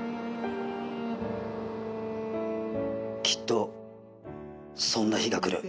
「きっとそんな日が来る」